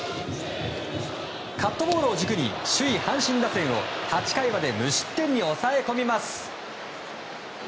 カットボールを軸に首位、阪神打線を８回まで無失点に抑え込みます。